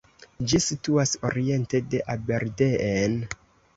Ĝi situas oriente de Aberdeen.